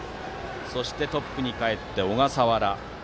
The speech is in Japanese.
そして、トップにかえって小笠原。